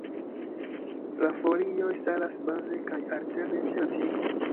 La folioj staras baze kaj alterne ĉe la tigo.